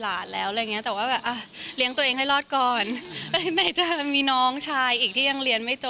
ใส่เปลิกใช่ไหมค่ะคุณพ่อคุณแม่มีสมผ่านไหม